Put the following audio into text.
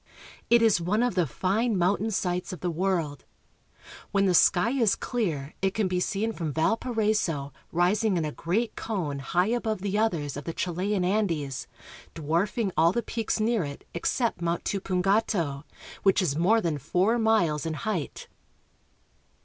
It is one of the fine mountain sights of the world. When the sky is clear it can be seen from Valparaiso rising in a great cone high above the others of the Chilean Andes, dwarfing all the peaks near it except Mount Tupungato (too poon ga^to), which is more than four miles in height.